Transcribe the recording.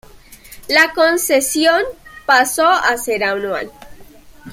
La concesión pasó a ser anual.